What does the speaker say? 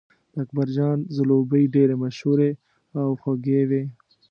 د اکبرجان ځلوبۍ ډېرې مشهورې او خوږې وې.